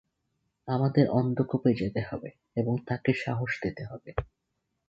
আমাদের অন্ধ্কূপে যেতে হবে এবং তাকে সাহস দিতে হবে।